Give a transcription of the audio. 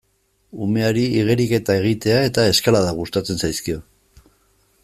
Umeari igeriketa egitea eta eskalada gustatzen zaizkio.